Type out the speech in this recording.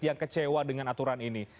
yang kecewa dengan aturan ini